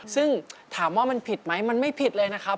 ซึ่งถามว่ามันผิดไหมมันไม่ผิดเลยนะครับ